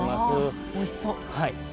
わおいしそう。